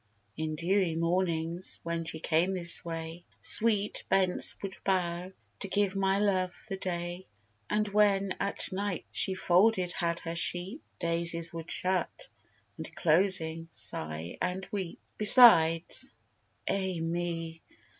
In dewy mornings, when she came this way, Sweet bents would bow, to give my Love the day; And when at night she folded had her sheep, Daisies would shut, and closing, sigh and weep. Besides (Ai me!)